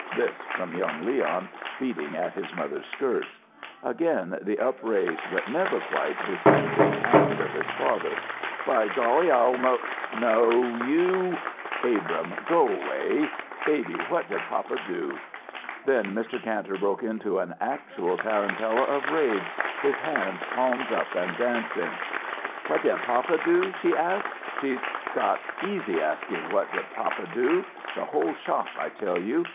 This from young Leon, beating at his mother's skirts. Again the upraised but never quite descending hand of his father. "By golly, I'll 'no no' you!" "Abrahm go way! Baby, what did papa do?" Then Mr. Kantor broke into an actual tarantella of rage, his hands palms up and dancing. "'What did papa do?' she asks. She's got easy asking. 'What did papa do?' The whole shop, I tell you.